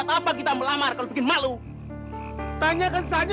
sampai jumpa di video selanjutnya